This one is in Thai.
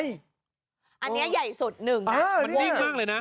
อันนี้ใหญ่สุดหนึ่งนะมันนิ่งมากเลยนะ